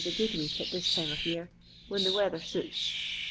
a good week at this time of year, when sather suits.